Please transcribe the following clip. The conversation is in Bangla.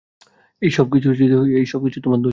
এই সবকিছু তোমার দোষ!